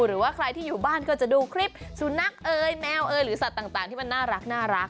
หรือว่าใครที่อยู่บ้านก็จะดูคลิปสุนัขเอ่ยแมวเอยหรือสัตว์ต่างที่มันน่ารัก